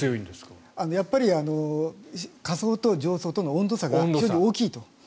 やっぱり下層と上層との温度差が非常に大きいと。